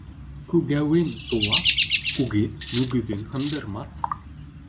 Күгәүен, тулап, үгеҙ мөгөҙөн һындырмаҫ.